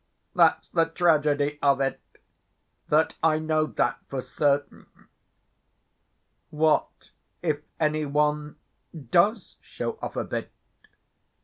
That's the tragedy of it—that I know that for certain. What if any one does show off a bit?